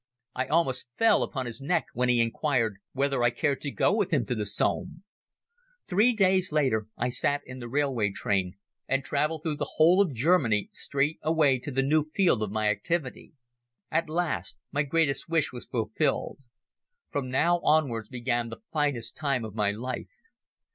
I almost fell upon his neck when he inquired whether I cared to go with him to the Somme. Three days later I sat in the railway train and traveled through the whole of Germany straight away to the new field of my activity. At last my greatest wish was fulfilled. From now onwards began the finest time of my life.